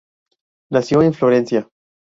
Nació en Florencia.